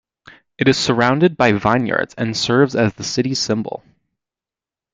It is surrounded by vineyards and serves as the city's symbol.